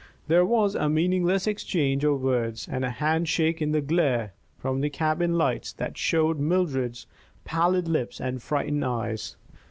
There was a meaningless exchange of words, and a handshake in the glare from the cabin lights that showed Mildred's pallid lips and frightened eyes.